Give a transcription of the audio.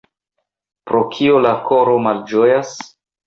Pro kio la koro malĝojas?